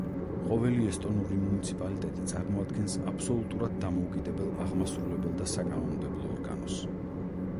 ყოველი ესტონური მუნიციპალიტეტი წარმოადგენს აბსოლუტურად დამოუკიდებელ აღმასრულებელ და საკანონმდებლო ორგანოს.